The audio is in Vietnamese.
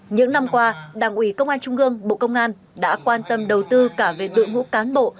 những năm qua đảng ủy công an trung gương bộ công an đã quan tâm đầu tư cả về đội ngũ cán bộ